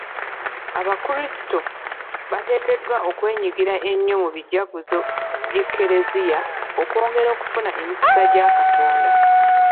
Abakrisito bateekeddwa okwenyigira ennyo mu bijaguzo by'e kereziya okwongera okufuna emikisa gya Katonda.